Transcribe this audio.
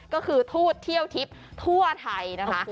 ก็คือทูตเที่ยวทิพย์ทั่วไทยนะคะ